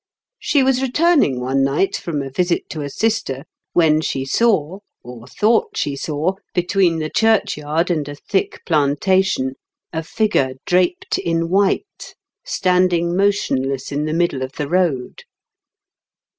She was returning one night from a visit to a sister when she saw, or thought she saw, between the churchyard and a thick plantation, a figure draped in white, standing motionless in the middle of the road.